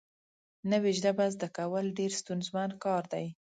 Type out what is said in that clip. نوې ژبه زده کول ډېر ستونزمن کار دی